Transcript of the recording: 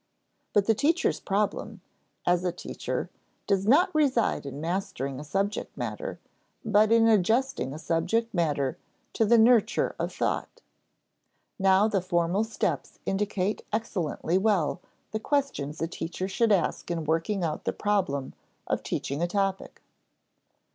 But the teacher's problem as a teacher does not reside in mastering a subject matter, but in adjusting a subject matter to the nurture of thought. Now the formal steps indicate excellently well the questions a teacher should ask in working out the problem of teaching a topic.